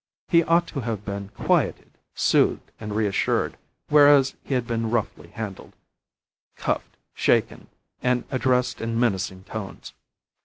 He ought to have been quieted, soothed, and reassured, whereas he had been roughly handled, cuffed, shaken, and addressed in menacing tones.